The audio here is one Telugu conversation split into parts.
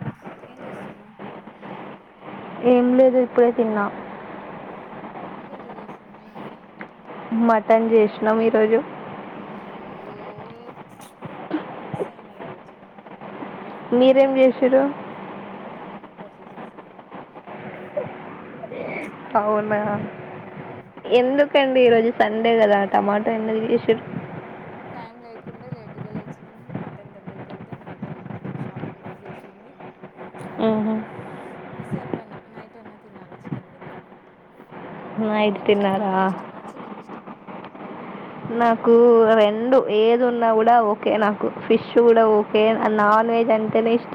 ను ఏం చుస్తున్నావ్ ఏం లేదు ఇప్పుడే తిన్నా ఏం కర్రీ చేసింది మమ్మీ మటన్ జెశినం ఈరోజు హుమ్మ్ నిను మీసైన ఈరోోజు మీరేం చేసుడు నిను టమాటా కర్రీ చేసాను అవున ఎందుకండి ఈ రోజు సండే కదా టమాటో ఎందుకు చేసిరు టైం లేకుండే లేటుగా లేచినాము మటన్ దగ్గరికి వెళ్తే మటన్ క్లో షాప్ క్లోజ్ సింది మ్ మిసైపోయిన నైటైన తినాలి చికెన్ బిర్యానీ అన్న నైట్ ఎం ఇష్టం తిన్నారా మటన్ ఇష్టమా చికెన్ ఇష్టమా నాకు రెండు ఏది ఉన్నా కూడా ఓకే నాకు ఫిష్ కూడా ఓకే న నాన్ వెజ్ అంటేనే ఇస్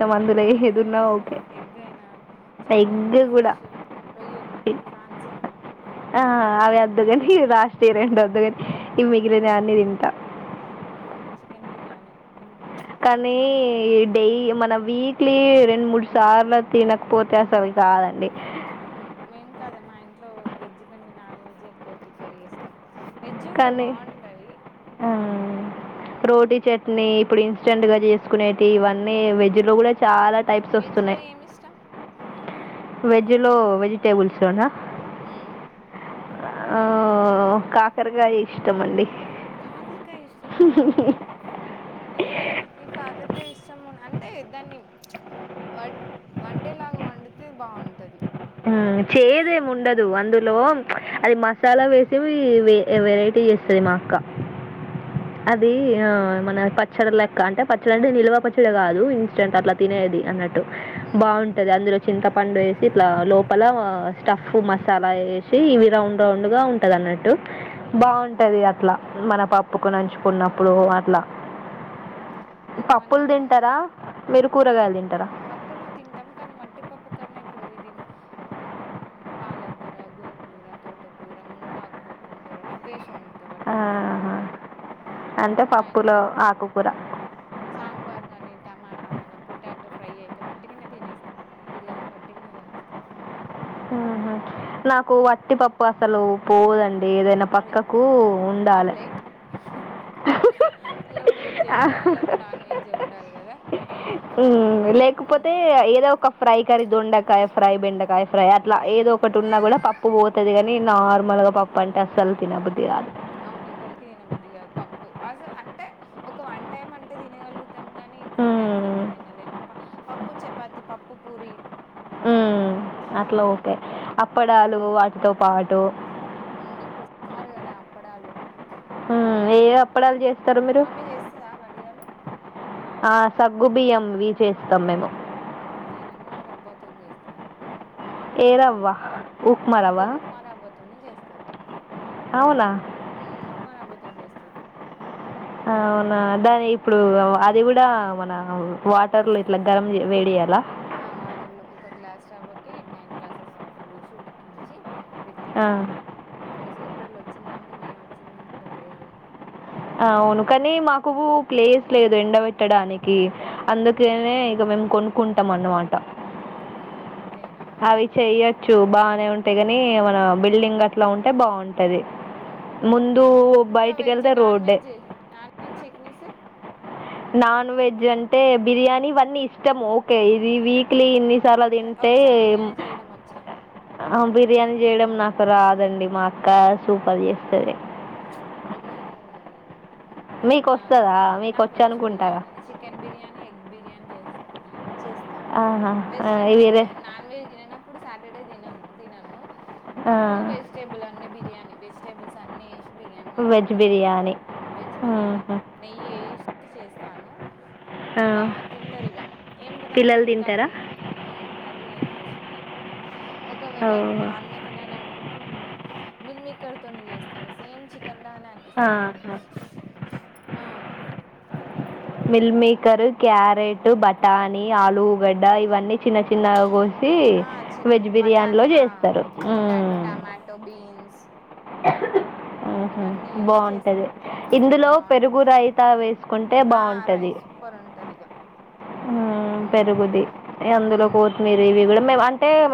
ఏదైనా ఇష్టమే ఎగైనా చపలు ఎగ్ కూడా ఫిష్ రొయ్యలు ఫ్రాన్స్ ఆ అవి వద్దుకని రాష్ట్రీయ రెండు వద్దుకని ఈవి మిగిలిన అన్ని తింటా, చికెన్ బిర్యానీి కానీ డెయి మన వీక్లీ రెండు మూడు సార్లు తినకపోతే అసవి కాదండి, మేం కాదా మా ఇంట్లో వెజ్ కంటే నాన్ వెజ్ ఎక్కువ ప్రిపేర్ చేస్తాం, వెజ్ కూడా కానీ బాగుంటాయి రోటీ చట్నీ ఇప్పుడు ఇన్స్టెంట్ గా చేసుకునేవి ఇవన్నీ వెజ్ లో కూడా చాలా వెజ్ లో ఏమి ఇష్టం వెజ్ లో వెజిటేబుల్స్ లోనా ఆ కాకరకాయ ఇష్టమ అండి కాకరకాయ ఇష్టమా అబ్బో న కాకరకాయ ఇష్టమా మున్ అంటే దాన్ని వ వండేలాగా వండితే బాగుంటది, చేదేమి ఉండదు అందులో అది మసాలా వేసి వెరైటీ, చేసది మాఅక్క ఆహా అది ఆ మన పచ్చడి లెక్క అంటే పచ్చడి అండి నిల్వ పచ్చడి కాదు ఇన్స్టెంట్ అట్లా తినేది అన్నట్టు, ఉమ్, బాగుంటది అందులో చింత పండు వేసి లోపల స్టఫ్ మసాలా వేసి ఇవి రౌండ్ రౌండ్ గా ఉంటది అన్నట్టు, ఉమ్, బాగుంటది అట్లా మన పప్పుకు నంచుకున్నప్పుడు అట్లా ఉమ్. ఈ పప్పులు మన తింటారా మీరు కూరగాయలు తింట పప్పులు తింటాం కానీ మట్టిపప్పు కన్నా ఇప్పుడు ఇది పాలకూర, గోంగూర తోటకూర, మునగాకుపప్పు ఉండ, అవివేసి వండుతా వటిది అసలే ఆహా! వండాను, అంటే పప్పులు మా ఇంట్లో పప్పులో ఆకుకూర. సాంబార్ కాగని టమాట మన పొటా, ఫ్రై అయితే వట్టికినే తినేస్తాం మా పిల్లలు వట్టికినే తినేస్తారు, నాకు ఉమ్, వట్టి పప్పు అసలు పోదండి, ఏదైనా అదే పక్కకు ఉండాలె. ఆమ్లేెట్ ఉండాలి కదా ఉమ్. లేకపోతే ఏదో ఒక ఫ్రై కర్రి దొండకాయ ఫ్రై, బెండకాయ ఫ్రై, అట్లా ఏదో ఒకటి ఉన్నా కూడా పప్పు పోతది కాని నార్మల్, ముద్దపప్పు అంటే అస్సలు తినబుద్ధి కాదు అవును ఎవ్వరికి తినబుద్ధది కాదు పప్పు అసలు అంటే ఒక వన్ టైమ్ అంటే తినగలుగు తింటాం కాని త్రీ టైమ్స్ మ్మ్. అంటే తినలేము పప్పు చపాతి పప్పు, పూరి ఇ- ఉ అట్లా ఉమ్, ఓకే అప్పడాలు వాటితో పాటు ఇప్పుడు సమ్మరు కదా అప్పడాలు, మ్మ్. ఏ వడియాలు అప్పడాలు చేస్తారు మీరు మమ్మీ చేస్తుందా వడియాలు ఆ, సగ్గు బియ్యం ఇవి చేస్తాం మేము నేనేమో రవ్వ తోని చేస్తాను, ఏ బాగుంటాయి రవ్వ అసలు ఉప్మా రవ్వ ఉప్మా రవ్వతోనే చేస్తారు, అవునా ఉప్మా రవ్వతో చేస్తారు, అ అవునా దాని ఇప్పుడు అది కూడా మన వాటర్ లో ఇట్లా గరం వేడిచేయాల, ఆ వాటర్ లో ఒక గ్లాస్ రవ్వకి నైన్ గ్లాసెస్ వాటర్ పోసి ఉడికించి, పెట్యాలి ఆ. ఇంకా ఏప్రిల్ వచ్చిందంటే మే వచ్చిందంటే వడియాలే అవును కానీ మాకు ప్లేస్ లేదు ఎండబట్టడానికి అందుకేనే ఇక మేము కొనుక్కుంటాం అన్నమాట అయ్యో అంతే అవి చెయ్యొచ్చు బాగానే ఉంటాయి, కాని మన బిల్డింగ్ అట్లా ఉంటే బాగుంటా ది అవును ముందు బయటికి వెళ్తే రోడ్డె చట్నీసు నాన్ వెజ్ అంటే బిర్యానీ ఇవన్నీ ఇష్టం ఓకే ఇది వీక్లీ ఇన్ని చాలా తింటే వచ్చా బిర్యానీ చేయడం వచ్చా అ బీ బిర్యానీ చేయడం నాకు రాదండి మా అక్క సూపర్ చేస్తది, బిర్యాణి మన మీకొస్తదా? నాకు వచ్చు మీకొచ్చనుకుంటా. బిర్యానీ చికెన్ బిర్యానీ ఎగ్ బిర్యానీ చేస్త చేస్తాను ఆహా! ఆ! వెజిటేబుల్ ఇవి రె నాన్ వెజ్ తిననప్పుడు సాటర్డే తినము తినను అప్పుడు ఆ! వెజిటేబుల్ అన్ని బిర్యానీ వెజిటేబుల్స్ అన్ని బిర్యానీ మా వెజ్ పిల్లలు బిర్యానీ వెజ్ బిర్యానీ ఆహా. నెయ్యి ఎసి చేస్తాను ఆ, బా తింటారు ఇక ఏం క పిల్లలు దానిలోకి తింటారా కర్రీ కర్రీ ఏం అవసరం లేకుండా ఓ. ఒకవేళ నాన్ వెజ్ తినాలనుకుంటే మిల్క్ మేక్కర్తోని చేస్తాను సేమ్ చికె తెల్లగానే అ అనిపిస్తది ఆహా. ఆ మిల్ మేకర్ క్యారెట్ బఠాని ఆలుగడ్డ ఇవన్నీ చిన్న చిన్న ఆ చె బటాని ఆ చేస్తారు పొటాటో మ్మ్. టమాటో బీన్స్ మ్మ్హ. ఇవన్నీ వేసి చే బాగుంటది చేస్తా ఇందులో బాగు పెరుగు రైతా వేసుకుంటే ఆ రై బాగుంటది సూపర్ ఉ ఉంటదిగా పెరుగుది అందులో ఉమ్. కొత్తిమీర ఇవి కూడా మే అంటే మే